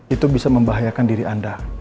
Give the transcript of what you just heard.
itu bisa membahayakan diri anda